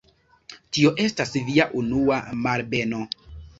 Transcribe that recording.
Tio estas Via unua malbeno.